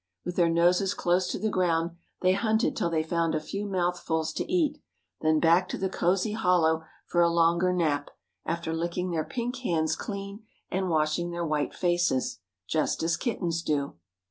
With their noses close to the ground they hunted till they found a few mouthfuls to eat. Then back to the cosy hollow for a longer nap, after licking their pink hands clean and washing their white faces, just as kittens do.